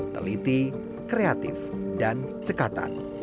teliti kreatif dan cekatan